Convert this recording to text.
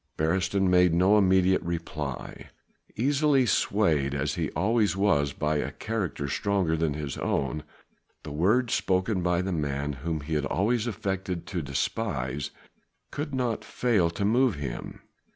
Beresteyn made no immediate reply. Easily swayed as he always was by a character stronger than his own, the words spoken by the man whom he had always affected to despise, could not fail to move him.